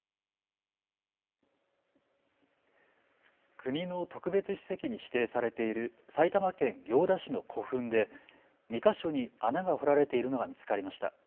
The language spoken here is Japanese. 国の特別史跡に指定されている埼玉県行田市の古墳で２か所に穴が掘られているのが見つかりました。